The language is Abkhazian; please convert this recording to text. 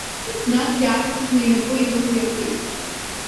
Нас иаашьҭыхны инапы инықәиртәеит.